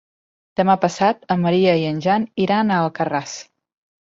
Demà passat en Maria i en Jan iran a Alcarràs.